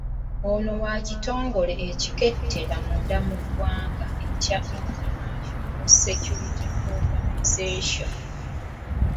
Ono wa kitongole ekikettera munda mu ggwanga ekya Internal Security Organisation.